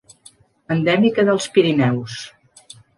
Endèmica dels Pirineus.